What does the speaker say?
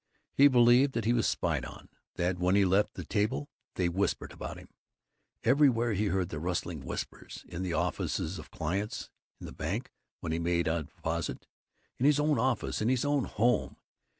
He believed that he was spied on; that when he left the table they whispered about him. Everywhere he heard the rustling whispers: in the offices of clients, in the bank when he made a deposit, in his own office, in his own home.